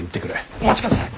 お待ちください！